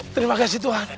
terima kasih tuhan